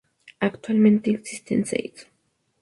Actualmente existen seis.